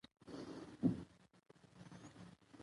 هیله کوم د ښ حرف په خ مه تلفظ کوئ.!